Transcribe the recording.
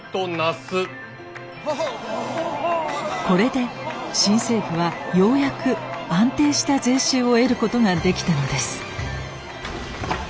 これで新政府はようやく安定した税収を得ることができたのです。